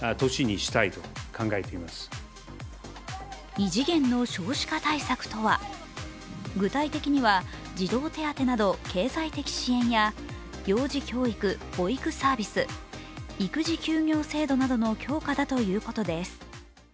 異次元の少子化対策とは、具体的には児童手当など経済的支援や幼児教育・保育サービス、育児休業制度などの強化だということです。